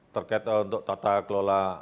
terkait untuk tata kelola